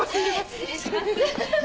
失礼します。